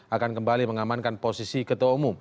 akan kembali mengamankan posisi ketua umum